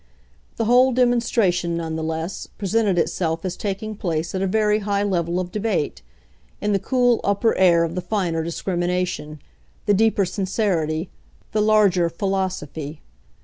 The whole demonstration, none the less, presented itself as taking place at a very high level of debate in the cool upper air of the finer discrimination, the deeper sincerity, the larger philosophy.